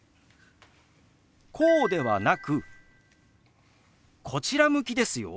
こうではなくこちら向きですよ。